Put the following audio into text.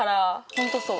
ホントそう。